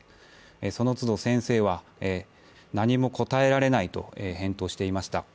そのつど先生は、何も答えられないと返答していました。